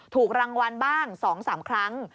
ถูกรางวัลบ้าง๒๓ครั้ง